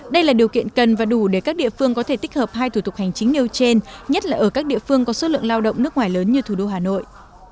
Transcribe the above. đây là điều kiện cần và đủ để các địa phương có thể tích hợp hai thủ tục hành chính nêu trên nhất là ở các địa phương có số lượng lao động nước ngoài lớn như thủ đô hà nội